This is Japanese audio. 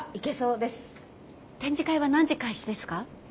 展示会は何時開始ですか？